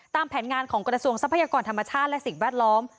ตามแผนงานของกฎระส่วนสัมพัยกรรมธรรมชาติและสิ่งแวดล้อม